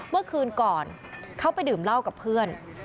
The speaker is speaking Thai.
เมื่อคืนก่อนเขาไปดื่มเหล้ากับเพื่อน